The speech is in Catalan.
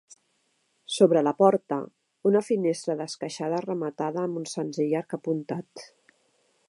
Sobre la porta, una finestra d'esqueixada rematada amb un senzill arc apuntat.